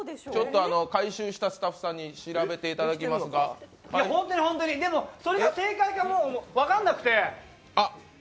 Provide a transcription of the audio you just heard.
回収したスタッフさんに調べていただきますがホントにホントに、でもそれで正解かどうか分からなくて。